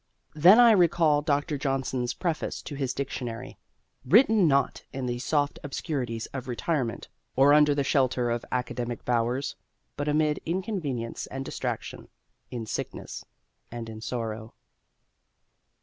Then I recall Dr. Johnson's preface to his Dictionary "written not in the soft obscurities of retirement, or under the shelter of academic bowers, but amid inconvenience and distraction, in sickness and in sorrow."